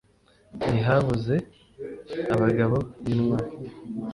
Ntihabuze abagabo bintwari